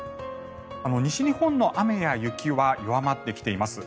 西日本の雨や雪は弱まってきています。